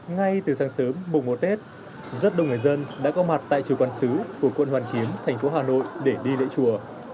ngay từ sáng sớm mùa một tết rất đông người dân đã có mặt tại trường quán xứ của quận hoàn kiếm thành phố hà nội để đi lễ chùa